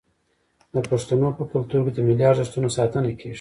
د پښتنو په کلتور کې د ملي ارزښتونو ساتنه کیږي.